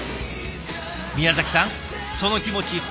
宮崎さんその気持ち